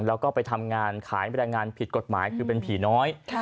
แล้วก็ไปทำงานขายแรงงานผิดกฎหมายคือเป็นผีน้อย